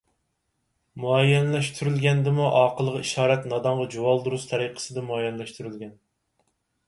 مۇئەييەنلەشتۈرۈلگەندىمۇ ئاقىلغا ئىشارەت نادانغا جۇۋالدۇرۇز تەرىقىسىدە مۇئەييەنلەشتۈرۈلگەن.